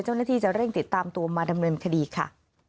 เจ้าหน้าที่จะเร่งติดตามตัวมาดำเนินคดีค่ะ